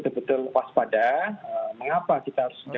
yang mengalami autoimun misalnya